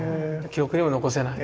記録にも残せない。